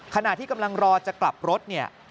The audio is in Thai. ขณะที่กำลังรอจะกลับรถเนี่ย